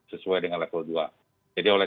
sesuai dengan level dua jadi oleh